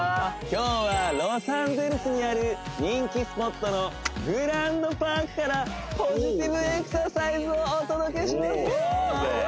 今日はロサンゼルスにある人気スポットのグランドパークからポジティブエクササイズをお届けしますよ